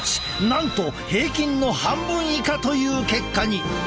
なんと平均の半分以下という結果に！